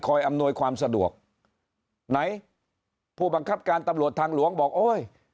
อำนวยความสะดวกไหนผู้บังคับการตำรวจทางหลวงบอกโอ้ย